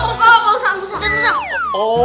oh salah satu